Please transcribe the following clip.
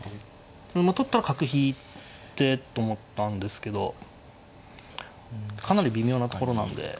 まあ取ったら角引いてと思ったんですけどかなり微妙なところなんで。